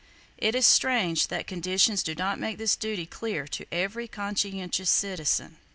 It is strange that conditions do not make this duty clear to every conscientious citizen.